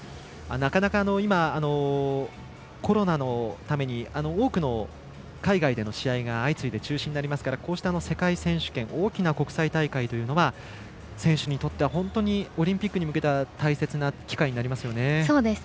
なかなか今、コロナのために多くの海外での試合が相次いで中止になりますから世界選手権大きな国際大会というのは選手にとっては本当にオリンピックに向けては大切な機会になりますよね。